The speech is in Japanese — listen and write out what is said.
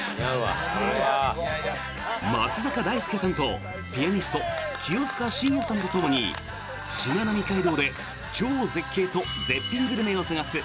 松坂大輔さんとピアニスト清塚信也さんとともにしまなみ海道で超絶景と絶品グルメを探す